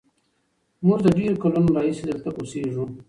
موږ له ډېرو کلونو راهیسې دلته اوسېږو.